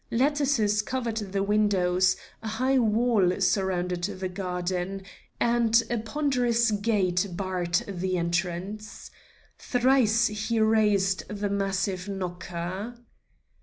Lattices covered the windows, a high wall surrounded the garden, and a ponderous gate barred the entrance. Thrice he raised the massive knocker.